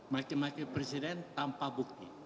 makin makin presiden tanpa bukti